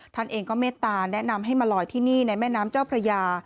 ท่านเองก็เมตตาแนะนำให้มาลอยที่นี่ในแม่น้ำเจ้าพระยา